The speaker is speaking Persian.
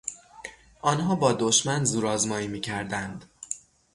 آنها با دشمن زورآزمایی میکردند.